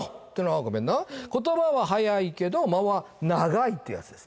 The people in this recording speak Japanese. ごめんな言葉は速いけど間は長いってやつですね